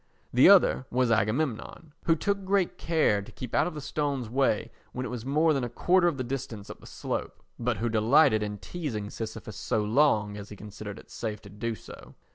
The other was Agamemnon, who took good care to keep out of the stone's way when it was more than a quarter of the distance up the slope, but who delighted in teasing Sisyphus so long as he considered it safe to do so.